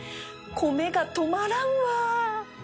米が止まらんわ